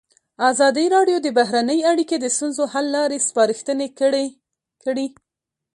ازادي راډیو د بهرنۍ اړیکې د ستونزو حل لارې سپارښتنې کړي.